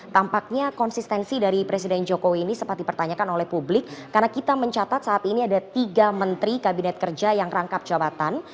tampaknya konsistensi dari presiden jokowi ini sempat dipertanyakan oleh publik karena kita mencatat saat ini ada tiga menteri kabinet kerja yang rangkap jabatan